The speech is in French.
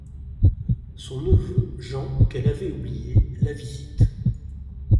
Son neveu, Jean, qu'elle avait oublié, la visite.